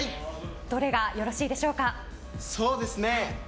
どれがよろしいでしょうか。